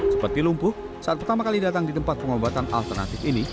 seperti lumpuh saat pertama kali datang di tempat pengobatan alternatif ini